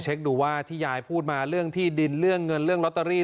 ดูว่าที่ยายพูดมาเรื่องที่ดินเรื่องเงินเรื่องลอตเตอรี่